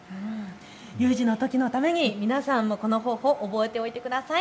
有事のときのために皆さんもこの方法を覚えておいてください。